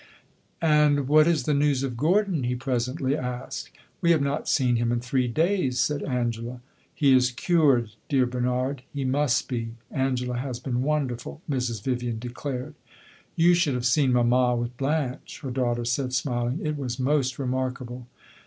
"And what is the news of Gordon?" he presently asked. "We have not seen him in three days," said Angela. "He is cured, dear Bernard; he must be. Angela has been wonderful," Mrs. Vivian declared. "You should have seen mamma with Blanche," her daughter said, smiling. "It was most remarkable."